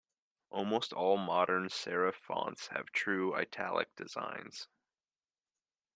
Almost all modern serif fonts have true italic designs.